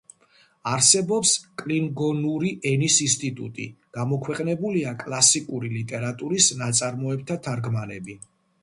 არსებობს კლინგონური ენის ინსტიტუტი, გამოქვეყნებულია კლასიკური ლიტერატურის ნაწარმოებთა თარგმანები.